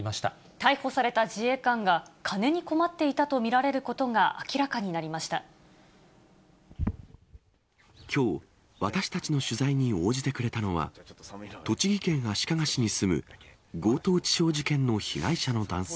逮捕された自衛官が金に困っていたと見られることが明らかにきょう、私たちの取材に応じてくれたのは、栃木県足利市に住む、強盗致傷事件の被害者の男性。